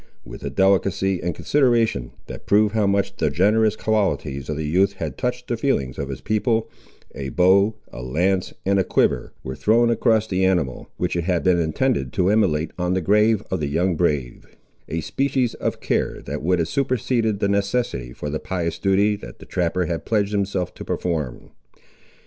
With a delicacy and consideration, that proved how much the generous qualities of the youth had touched the feelings of his people, a bow, a lance, and a quiver, were thrown across the animal, which it had been intended to immolate on the grave of the young brave; a species of care that would have superseded the necessity for the pious duty that the trapper had pledged himself to perform.